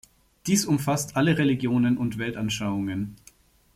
Dies umfasst alle Religionen und Weltanschauungen.